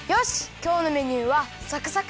きょうのメニューはサクサク！